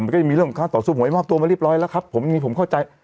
มันก็จะมีเรื่องค้าต่อสู้หวยมอบตัวมาเรียบร้อยแล้วครับผมเข้าใจ